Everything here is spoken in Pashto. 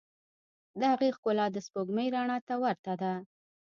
د هغې ښکلا د سپوږمۍ رڼا ته ورته ده.